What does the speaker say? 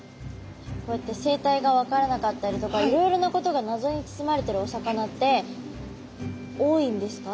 こうやって生態が分からなかったりとかいろいろなことが謎に包まれてるお魚って多いんですか？